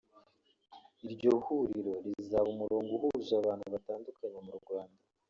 Iryo huriro rizaba umurongo uhuje abantu batandukanye mu Rwanda